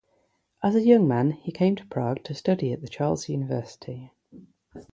As a young man he came to Prague to study at the Charles University.